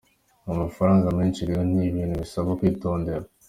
Ni amafaraga menshi rero, ni ibintu bisaba kwitondera.